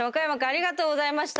ありがとうございます。